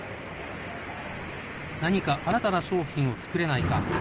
何か新たな商品を作れないか。